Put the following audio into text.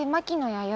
弥生。